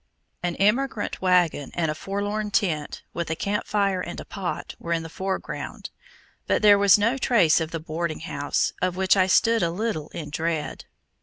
An emigrant wagon and a forlorn tent, with a camp fire and a pot, were in the foreground, but there was no trace of the boarding house, of which I stood a little in dread.